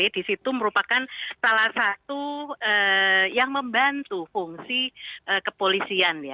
di situ merupakan salah satu yang membantu fungsi kepolisian